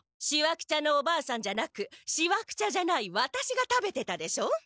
シワくちゃのおばあさんじゃなくシワくちゃじゃないワタシが食べてたでしょ？